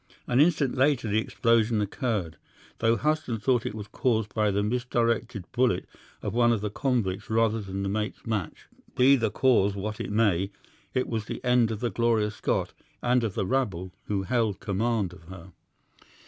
An instant later the explosion occurred, though Hudson thought it was caused by the misdirected bullet of one of the convicts rather than the mate's match. Be the cause what it may, it was the end of the Gloria Scott and of the rabble who held command of her.